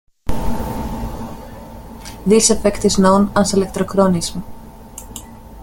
This effect is known as electrochromism.